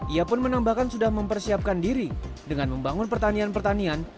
ia pun menambahkan sudah mempersiapkan diri dengan membangun pertanian pertanian